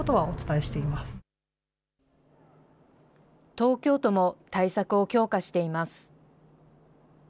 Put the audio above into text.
東京都も対策を強化しています。